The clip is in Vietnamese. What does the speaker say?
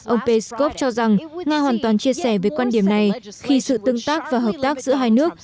ông peskov cho rằng nga hoàn toàn chia sẻ về quan điểm này khi sự tương tác và hợp tác giữa hai nước